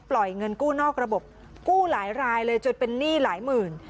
เงินกู้นอกระบบกู้หลายรายเลยจนเป็นหนี้หลายหมื่น